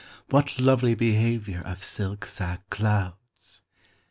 what lovely behaviour Of silk sack clouds!